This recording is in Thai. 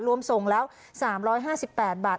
รวมส่งแล้ว๓๕๘บาท